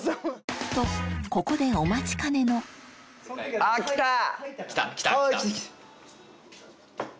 とここでお待ちかねのきたきた！